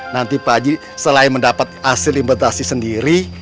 nanti pak aji selain mendapat hasil imbatasi sendiri